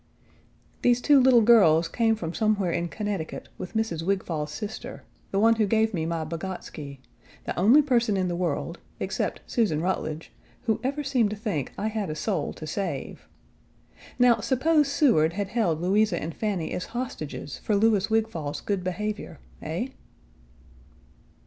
These two little girls came from somewhere in Connecticut, with Mrs. Wigfall's sister the one who gave me my Bogotsky, the only person in the world, except Susan Rutledge who ever seemed to think I had a soul to save. Now suppose Seward had held Louisa and Fanny as hostages for Louis Wigfall's good behavior; eh?